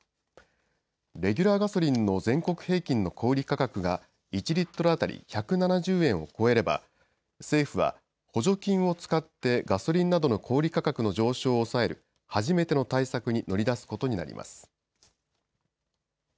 レギュラーガソリンの全国平均の小売価格が１リットル当たり１７０円を超えれば政府は補助金を使ってガソリンなどの小売価格の上昇を抑える初めての対策に乗り出すことになります。